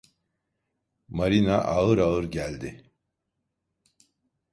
Marina ağır ağır geldi.